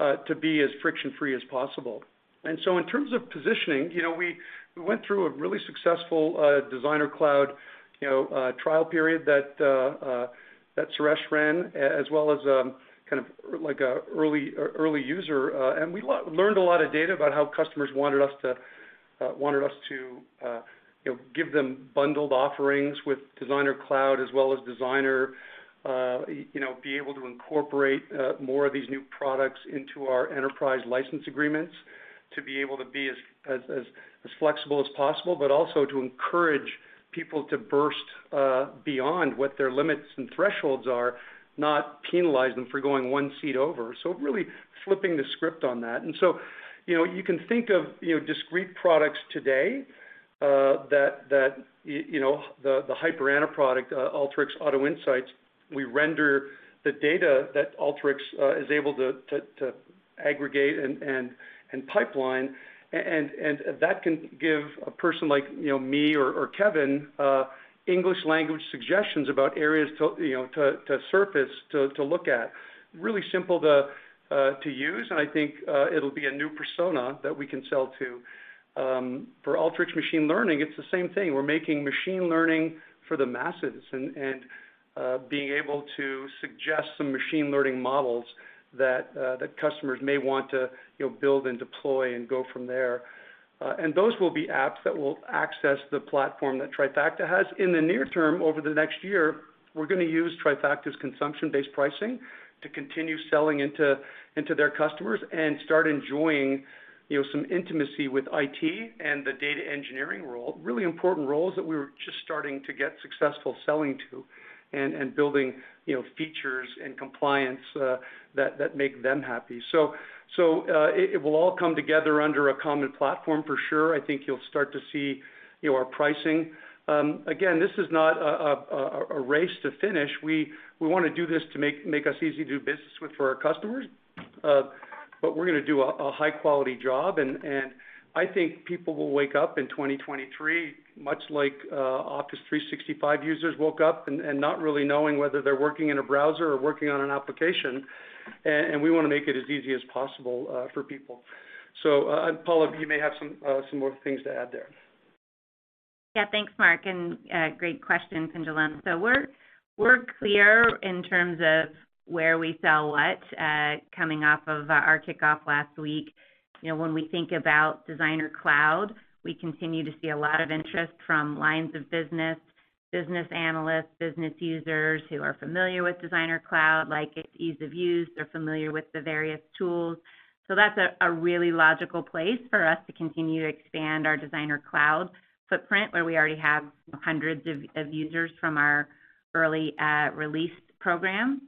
to be as friction-free as possible. In terms of positioning, you know, we went through a really successful designer cloud trial period that Suresh ran, as well as kind of like an early user. We learned a lot of data about how customers wanted us to give them bundled offerings with Designer Cloud as well as Designer, you know, be able to incorporate more of these new products into our enterprise license agreements to be able to be as flexible as possible, but also to encourage people to burst beyond what their limits and thresholds are, not penalize them for going one seat over. Really flipping the script on that. You know, you can think of, you know, discrete products today, that you know the Hyper Anna product, Alteryx Auto Insights, we render the data that Alteryx is able to aggregate and pipeline. That can give a person like, you know, me or Kevin, English language suggestions about areas to, you know, surface, look at. Really simple to use, and I think it'll be a new persona that we can sell to. For Alteryx Machine Learning, it's the same thing. We're making machine learning for the masses and being able to suggest some machine learning models that customers may want to, you know, build and deploy and go from there. Those will be apps that will access the platform that Trifacta has. In the near term, over the next year, we're gonna use Trifacta's consumption-based pricing to continue selling into their customers and start enjoying, you know, some intimacy with IT and the data engineering role, really important roles that we were just starting to get successful selling to and building, you know, features and compliance that make them happy. It will all come together under a common platform for sure. I think you'll start to see, you know, our pricing. Again, this is not a race to finish. We wanna do this to make us easy to do business with for our customers. We're gonna do a high quality job, and I think people will wake up in 2023 much like Office 365 users woke up and not really knowing whether they're working in a browser or working on an application. We wanna make it as easy as possible for people. Paula, you may have some more things to add there. Yeah. Thanks, Mark, and great question, Pinjalim. We're clear in terms of where we sell what coming off of our kickoff last week. You know, when we think about Designer Cloud, we continue to see a lot of interest from lines of business analysts, business users who are familiar with Designer Cloud, like its ease of use. They're familiar with the various tools. That's a really logical place for us to continue to expand our Designer Cloud footprint, where we already have hundreds of users from our early release program.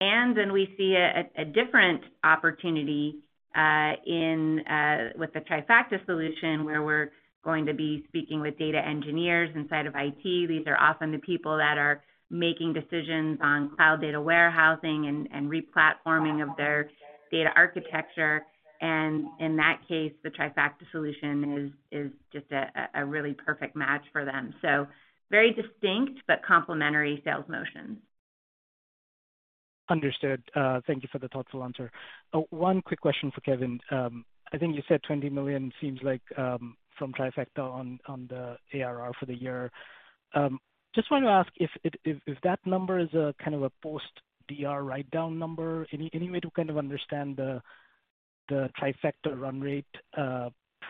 Then we see a different opportunity with the Trifacta solution, where we're going to be speaking with data engineers inside of IT. These are often the people that are making decisions on cloud data warehousing and re-platforming of their data architecture. In that case, the Trifacta solution is just a really perfect match for them. Very distinct but complementary sales motions. Understood. Thank you for the thoughtful answer. One quick question for Kevin. I think you said $20 million seems like from Trifacta on the ARR for the year. Just want to ask if that number is a kind of a post-DR write down number. Any way to kind of understand the Trifacta run rate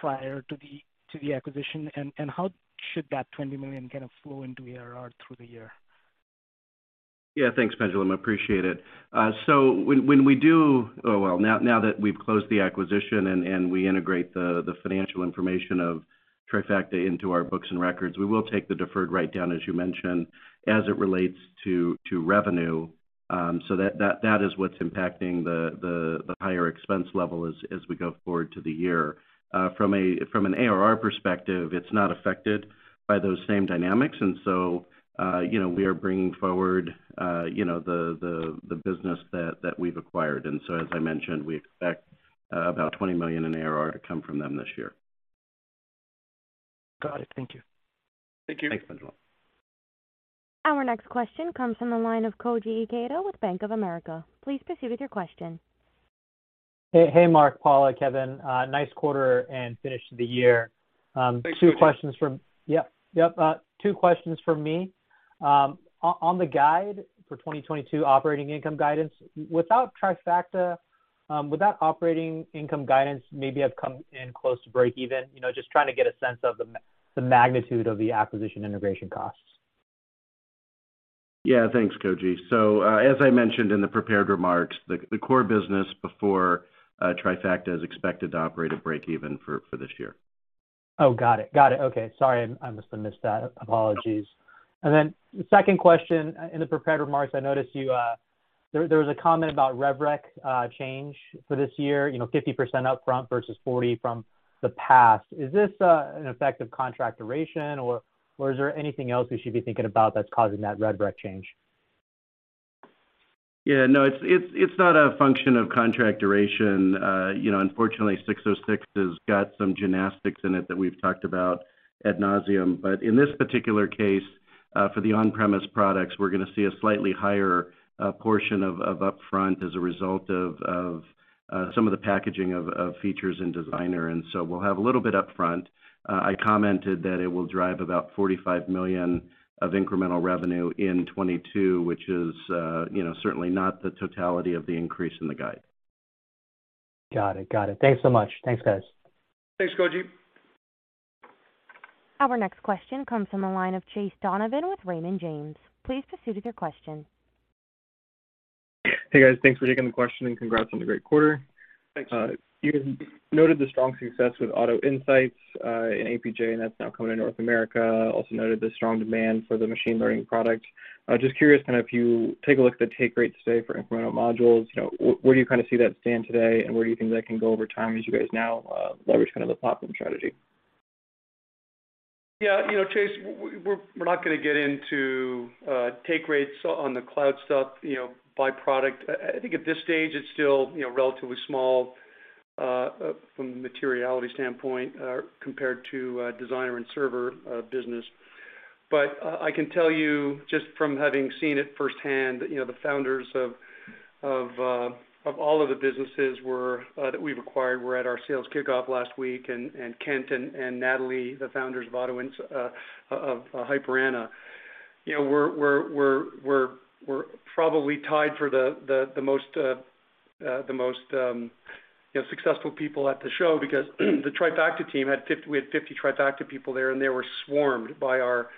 prior to the acquisition? How should that $20 million kind of flow into ARR through the year? Yeah. Thanks, Pinjalim. Appreciate it. Now that we've closed the acquisition and we integrate the financial information of Trifacta into our books and records, we will take the deferred write-down, as you mentioned, as it relates to revenue. That is what's impacting the higher expense level as we go forward through the year. From an ARR perspective, it's not affected by those same dynamics. You know, we are bringing forward the business that we've acquired. As I mentioned, we expect about $20 million in ARR to come from them this year. Got it. Thank you. Thank you. Thanks, Pinjalim. Our next question comes from the line of Koji Ikeda with Bank of America. Please proceed with your question. Hey, Mark, Paula, Kevin, nice quarter and finish to the year. Thanks, Koji. Two questions from me. On the guidance for 2022 operating income guidance, without Trifacta, would that operating income guidance maybe have come in close to breakeven? You know, just trying to get a sense of the magnitude of the acquisition integration costs. Yeah. Thanks, Koji. As I mentioned in the prepared remarks, the core business before Trifacta is expected to operate at breakeven for this year. Oh, got it. Okay. Sorry, I must have missed that. Apologies. Second question, in the prepared remarks, I noticed you there was a comment about rev rec change for this year, you know, 50% upfront versus 40% from the past. Is this an effect of contract duration or is there anything else we should be thinking about that's causing that rev rec change? Yeah, no, it's not a function of contract duration. You know, unfortunately, 606 has got some gymnastics in it that we've talked about ad nauseam. In this particular case, for the on-premise products, we're gonna see a slightly higher portion of some of the packaging of features in Designer. We'll have a little bit upfront. I commented that it will drive about $45 million of incremental revenue in 2022, which is, you know, certainly not the totality of the increase in the guide. Got it. Got it. Thanks so much. Thanks, guys. Thanks, Koji. Our next question comes from the line of Chase Donovan with Raymond James. Please proceed with your question. Hey, guys. Thanks for taking the question, and congrats on the great quarter. Thanks. You noted the strong success with Auto Insights in APJ, and that's now coming to North America. Also noted the strong demand for the machine learning product. Just curious kind of if you take a look at the take rates today for incremental modules, you know, where do you kind of see that stand today, and where do you think that can go over time as you guys now leverage kind of the platform strategy? Yeah, you know, Chase, we're not gonna get into take rates on the cloud stuff, you know, by product. I think at this stage, it's still, you know, relatively small from a materiality standpoint compared to Designer and Server business. I can tell you just from having seen it firsthand, you know, the founders of all of the businesses that we've acquired were at our sales kickoff last week, and Kent and Natalie, the founders of Hyper Anna. You know, we're probably tied for the most. The most successful people at the show because the Trifacta team had we had 50 Trifacta people there, and they were swarmed by our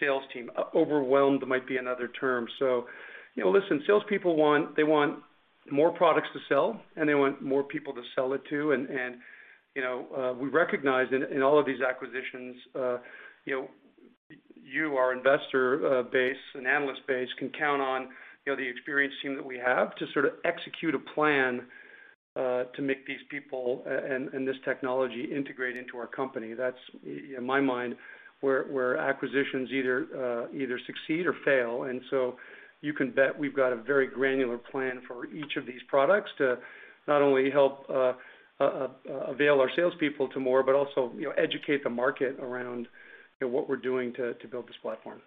sales team. Overwhelmed might be another term. You know, listen, salespeople want they want more products to sell, and they want more people to sell it to. You know, we recognize in all of these acquisitions, you know, you, our investor base and analyst base can count on, you know, the experienced team that we have to sort of execute a plan, to make these people and this technology integrate into our company. That's in my mind, where acquisitions either succeed or fail. You can bet we've got a very granular plan for each of these products to not only help enable our salespeople to more, but also, you know, educate the market around, you know, what we're doing to build this platform.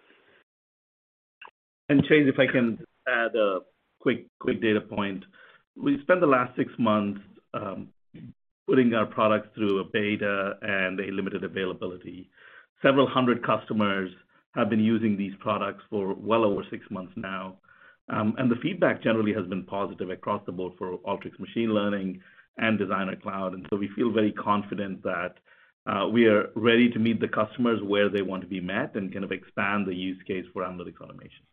Chase, if I can add a quick data point. We spent the last six months putting our products through a beta and a limited availability. Several hundred customers have been using these products for well over six months now. The feedback generally has been positive across the board for Alteryx Machine Learning and Designer Cloud. We feel very confident that we are ready to meet the customers where they want to be met and kind of expand the use case for analytics automation.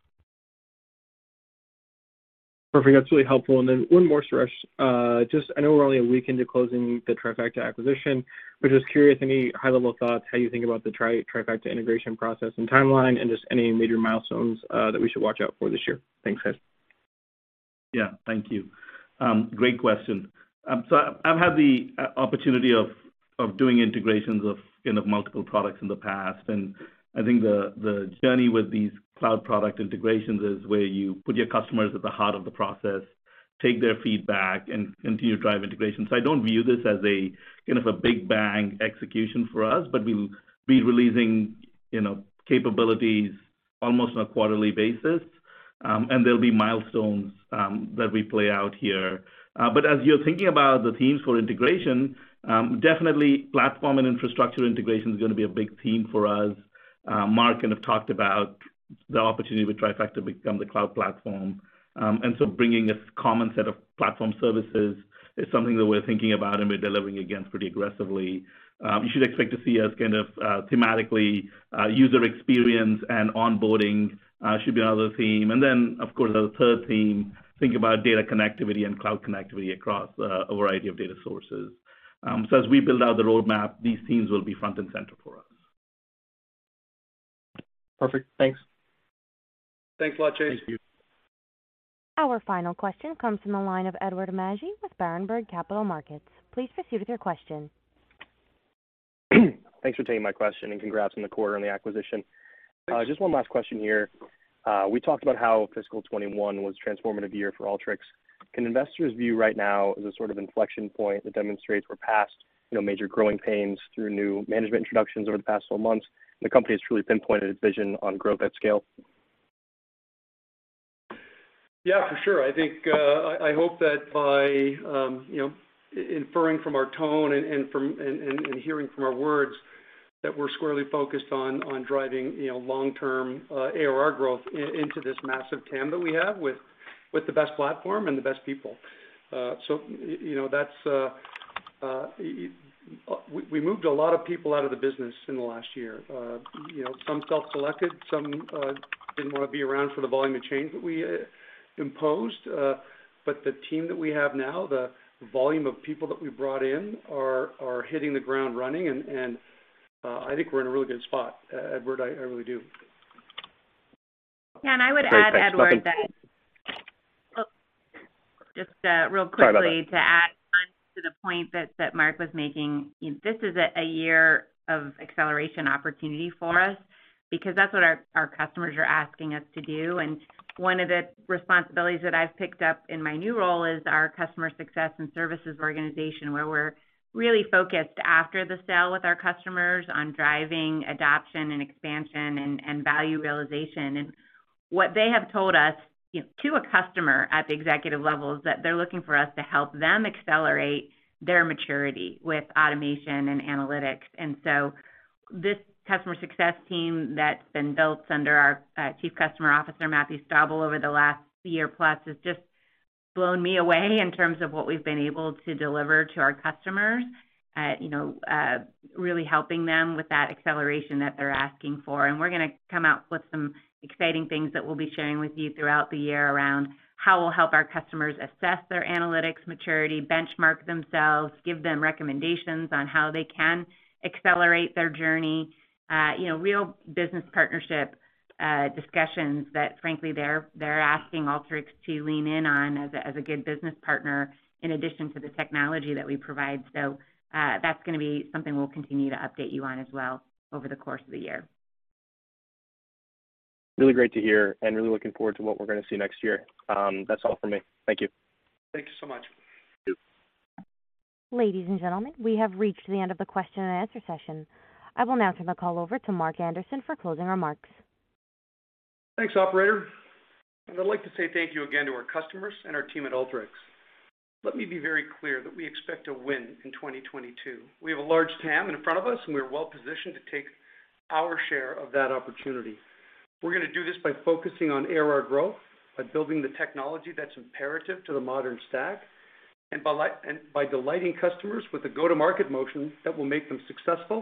Perfect. That's really helpful. One more, Suresh. Just, I know we're only a week into closing the Trifacta acquisition, but just curious, any high-level thoughts, how you think about the Trifacta integration process and timeline, and just any major milestones that we should watch out for this year? Thanks, guys. Yeah. Thank you. Great question. I've had the opportunity of doing integrations of, you know, multiple products in the past, and I think the journey with these cloud product integrations is where you put your customers at the heart of the process, take their feedback and continue to drive integration. I don't view this as a kind of big bang execution for us, but we'll be releasing, you know, capabilities almost on a quarterly basis. There'll be milestones that we play out here. As you're thinking about the themes for integration, definitely platform and infrastructure integration is gonna be a big theme for us. Mark kind of talked about the opportunity with Trifacta become the cloud platform. Bringing a common set of platform services is something that we're thinking about, and we're delivering against pretty aggressively. You should expect to see us kind of thematically user experience and onboarding should be another theme. Of course, as a third theme, think about data connectivity and cloud connectivity across a variety of data sources. As we build out the roadmap, these themes will be front and center for us. Perfect. Thanks. Thanks a lot, Chase. Thank you. Our final question comes from the line of Edward Magi with Berenberg Capital Markets. Please proceed with your question. Thanks for taking my question, and congrats on the quarter and the acquisition. Just one last question here. We talked about how fiscal 2021 was a transformative year for Alteryx. Can investors view right now as a sort of inflection point that demonstrates we're past, you know, major growing pains through new management introductions over the past four months, and the company has truly pinpointed its vision on growth at scale? Yeah, for sure. I think I hope that by you know inferring from our tone and from hearing from our words that we're squarely focused on driving you know long-term ARR growth into this massive TAM that we have with the best platform and the best people. So you know we moved a lot of people out of the business in the last year. You know some self-selected, some didn't wanna be around for the volume of change that we imposed. But the team that we have now the volume of people that we brought in are hitting the ground running. I think we're in a really good spot Edward, I really do. Yeah. I would add, Edward, that- Great. Thanks. Nothing- Oh. Just real quickly. Sorry about that. To add on to the point that Mark was making. This is a year of acceleration opportunity for us because that's what our customers are asking us to do. One of the responsibilities that I've picked up in my new role is our customer success and services organization, where we're really focused after the sale with our customers on driving adoption and expansion and value realization. What they have told us, you know, to a customer at the executive level is that they're looking for us to help them accelerate their maturity with automation and analytics. This customer success team that's been built under our Chief Customer Officer, Matthew Stauble, over the last year plus, has just blown me away in terms of what we've been able to deliver to our customers. You know, really helping them with that acceleration that they're asking for. We're gonna come out with some exciting things that we'll be sharing with you throughout the year around how we'll help our customers assess their analytics maturity, benchmark themselves, give them recommendations on how they can accelerate their journey. You know, real business partnership discussions that frankly, they're asking Alteryx to lean in on as a good business partner in addition to the technology that we provide. That's gonna be something we'll continue to update you on as well over the course of the year. Really great to hear and really looking forward to what we're gonna see next year. That's all for me. Thank you. Thank you so much. Thank you. Ladies and gentlemen, we have reached the end of the question and answer session. I will now turn the call over to Mark Anderson for closing remarks. Thanks, operator, and I'd like to say thank you again to our customers and our team at Alteryx. Let me be very clear that we expect to win in 2022. We have a large TAM in front of us, and we are well positioned to take our share of that opportunity. We're gonna do this by focusing on ARR growth, by building the technology that's imperative to the modern stack, and by delighting customers with a go-to-market motion that will make them successful.